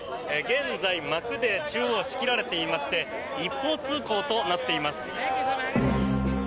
現在、幕で中央、仕切られていまして一方通行となっています。